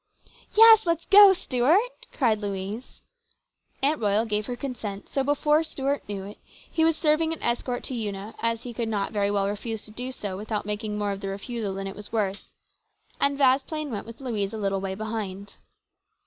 " Yes, let's go, Stuart !" cried Louise. Aunt Royal gave her consent, so before Stuart knew it he was serving as escort to Una, as he could COMPLICATIONS. 215 not very well refuse to do so without making more of the refusal than it was worth. And Vasplaine went with Louise a little way behind.